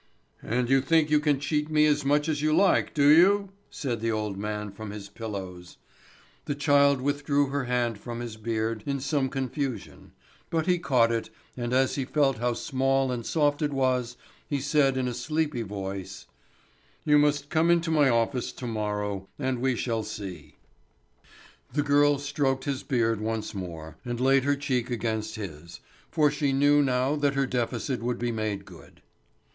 "And you think you can cheat me as much as you like, do you?" said the old man from his pillows. The child withdrew her hand from his beard in some confusion, but he caught it, and as he felt how small and soft it was, he said in a sleepy voice: "You must come into my office to morrow, then, and we shall see!" The girl stroked his beard once more, and laid her cheek against his, for she knew now that her deficit would be made good.